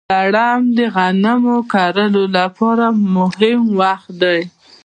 لړم د غنمو د کرلو لپاره مهم وخت دی.